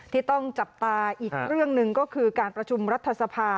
ที่ต้องจับตาอีกเรื่องหนึ่งก็คือการประชุมรัฐสภา